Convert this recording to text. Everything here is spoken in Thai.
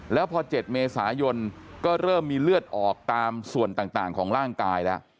แล้วพอ๗เมษายนก็เริ่มมีเลือดออกตามส่วนต่างของร่างกายแล้ว